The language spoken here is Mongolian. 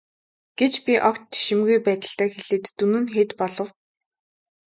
гэж би огт жишимгүй байдалтай хэлээд дүн нь хэд болов.